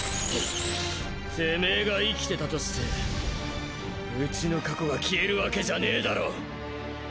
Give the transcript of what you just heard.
てめェが生きてたとしてウチの過去が消えるわけじゃねぇだろ。